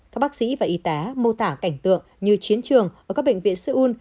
các bác sĩ và y tá mô tả cảnh tượng như chiến trường ở các bệnh viện seoul